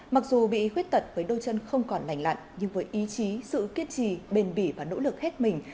mặc dù bị khuyết tật với đôi chân không còn lành lặn nhưng với ý chí sự kiên trì bền bỉ và nỗ lực hết mình